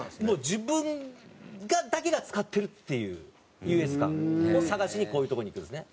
自分だけが使ってるっていう優越感を探しにこういうとこに行くんですね。